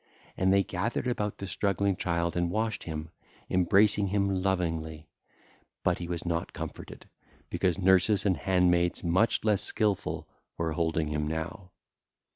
And they gathered about the struggling child and washed him, embracing him lovingly; but he was not comforted, because nurses and handmaids much less skilful were holding him now.